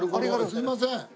すみません。